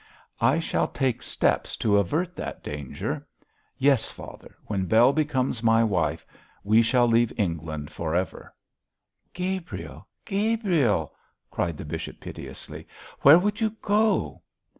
'I shall take steps to avert that danger. Yes, father, when Bell becomes my wife we shall leave England for ever.' 'Gabriel! Gabriel!' cried the bishop, piteously, 'where would you go?'